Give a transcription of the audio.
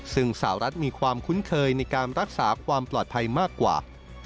ซึ่งสาวรัฐมีความคุ้นเคยในการรักษาความปลอดภัยมากกว่า